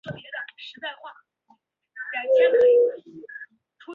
它既是驱动装置同时又是操纵装置。